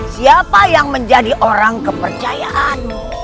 siapa yang menjadi orang kepercayaanmu